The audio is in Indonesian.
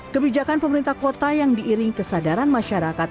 kebijakan pemerintah kota yang diiring kesadaran masyarakat